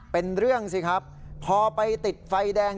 เป็นเรื่องสิครับพอไปติดไฟแดง